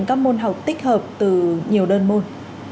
các môn học tích hợp từ nhiều đơn môn